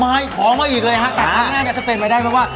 ไม่ขอบคุณมาอีกเลยครับแต่ข้างหน้าจะเป็นไปได้เพราะว่า